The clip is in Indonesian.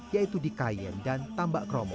yaitu di kayen dan tambak kromo